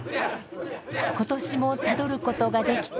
今年もたどることができたこの道。